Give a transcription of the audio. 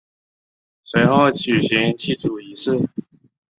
随后举行祭祖仪式。